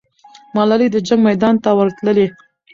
ملالۍ د جنګ میدان ته ورتللې.